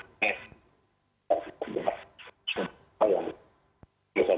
semua yang di saat kini ada kasih karena di masa pandemi ini semuanya stop